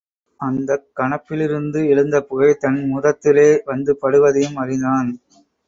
அந்தக் கணப்பிலிருந்து எழுந்த புகை தன் முதத்திலே வந்து படுவதையும் அறிந்தான்.